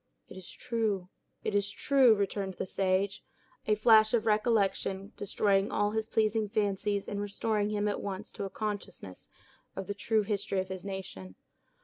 "It is true—it is true," returned the sage, a flash of recollection destroying all his pleasing fancies, and restoring him at once to a consciousness of the true history of his nation.